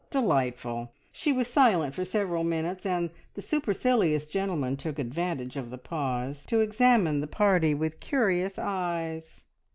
Delightful! She was silent for several minutes, and the supercilious gentleman took advantage of the pause to examine the party with curious eyes.